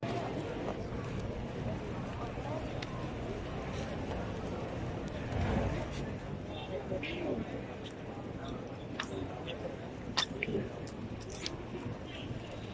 สวัสดีครับ